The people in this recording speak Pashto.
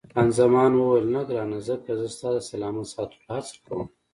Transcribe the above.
خان زمان وویل، نه ګرانه، ځکه زه ستا د سلامت ساتلو هڅه کوم.